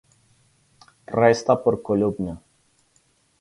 Resta por columna.